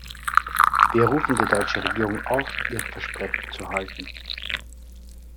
Wir rufen die deutsche Regierung auf, ihre Versprechen zu halten.